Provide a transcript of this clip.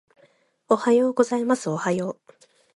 おはようございますおはよう